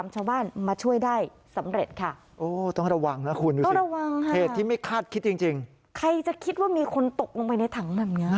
ช่วงนั้น